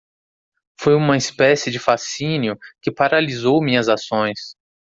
Foi uma espécie de fascínio que paralisou minhas ações.